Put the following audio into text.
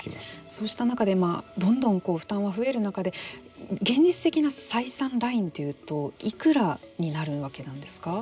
そうした中でどんどん負担は増える中で現実的な採算ラインというといくらになるわけなんですか。